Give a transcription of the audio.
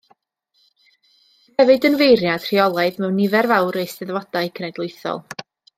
Bu hefyd yn feirniad rheolaidd mewn nifer fawr o eisteddfodau cenedlaethol.